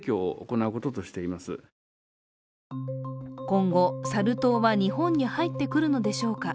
今後、サル痘は日本に入ってくるのでしょうか。